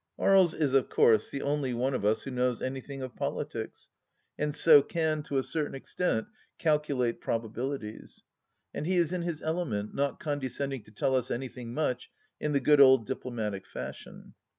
Aries is of course the only one of us who knows anything of politics, and so can, to a certain extent, calculate proba bilities. And he is in his element, not condescending to tell us anything much, in the good old diplomatic fashion.